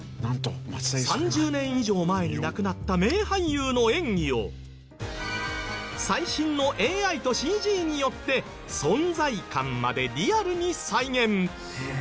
３０年以上前に亡くなった名俳優の演技を最新のＡＩとＣＧによって存在感までリアルに再現。